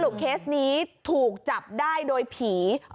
เคสนี้ถูกจับได้โดยผี